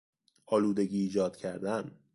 آلودگی ایجاد کردن